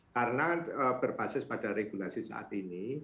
karena berbasis pada regulasi saat ini